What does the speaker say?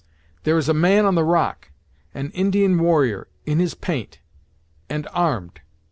"There is a man on the rock! An Indian warrior, in his paint and armed!"